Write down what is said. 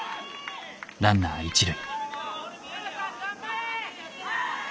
ランナー一塁。